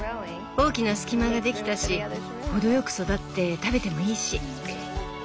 大きな隙間ができたし程よく育って食べてもいいし。